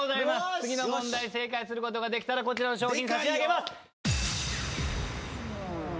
次の問題正解することができたらこちらの賞品差し上げます！